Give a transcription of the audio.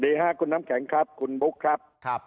ค่ะคุณน้ำแข็งครับคุณบุ๊คครับ